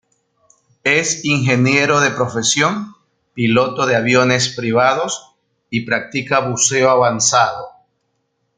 Es ingeniero de profesión, piloto de aviones privados y practica buceo avanzado.